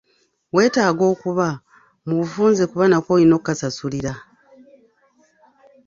Weetaaga okuba mu bufunze kuba nako olina okukasasulira.